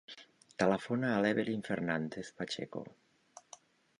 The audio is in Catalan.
Telefona a l'Evelyn Fernandez Pacheco.